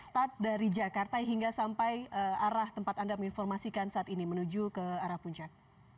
start dari jakarta hingga sampai arah tempat anda menginformasikan saat ini menuju ke arah puncak